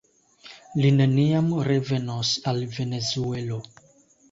Li neniam revenos al Venezuelo.